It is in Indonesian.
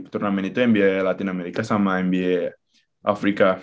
turnamen itu nba latin america sama nba afrika